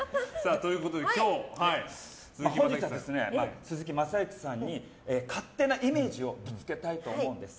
本日は、鈴木雅之さんに勝手なイメージをぶつけたいと思うんです。